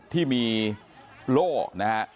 ที่มีโล่นะฮะ